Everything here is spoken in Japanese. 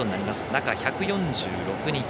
中１４６日。